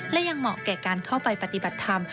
และยังเหมาะแก่การเข้าไปปฏิบัติธรรม